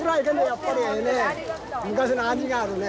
やっぱりええね昔の味があるね。